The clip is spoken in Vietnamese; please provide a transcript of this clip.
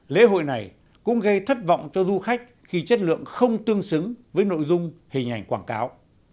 lễ hội này cũng gây thất vọng cho du khách khi chất lượng không tương xứng với nội dung hình ảnh quảng cáo